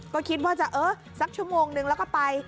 ก็คิดว่าจะเออสักชั่วโมงนึงแล้วก็ไป